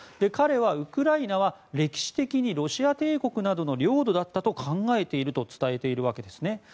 彼はウクライナは歴史的にロシア帝国などの領土だっただろうと考えていると伝えているわけですね。